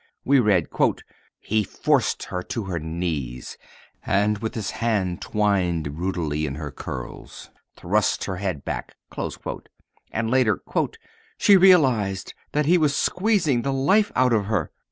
We read, "He forced her to her knees, and, with his hand twined brutally in her curls, thrust her head back," and later, "She realized that he was squeezing the life out of her."